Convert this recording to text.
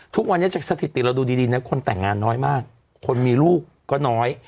ทุกวันนี้จากสถิติเราดูดีนะคนแต่งงานน้อยมากคนมีลูกก็น้อย